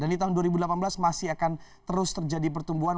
dan di tahun dua ribu delapan belas masih akan terus terjadi pertumbuhan